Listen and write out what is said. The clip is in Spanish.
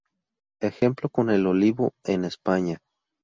Ejemplo con el olivo en España.